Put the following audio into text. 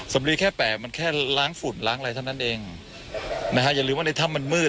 สำลีแค่แปลกมันแค่ล้างฝุ่นล้างอะไรเท่านั้นเองนะฮะอย่าลืมว่าในถ้ำมันมืด